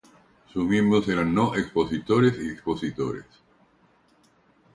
Sus miembros eran no expositores y expositores.